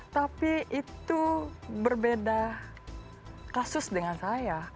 tapi itu berbeda kasus dengan saya